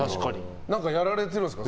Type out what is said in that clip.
何かやられているんですか？